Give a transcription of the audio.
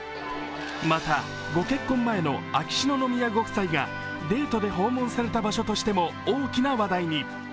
またご結婚前の秋篠宮ご夫妻がデートで訪問された場所としても大きな話題に。